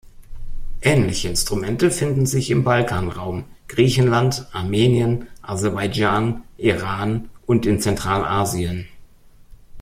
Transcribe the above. Ähnliche Instrumente finden sich im Balkanraum, Griechenland, Armenien, Aserbaidschan, Iran und in Zentralasien.